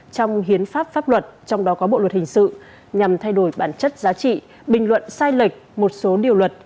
trong hiến pháp pháp luật trong đó có bộ luật hình sự nhằm thay đổi bản chất giá trị bình luận sai lệch một số điều luật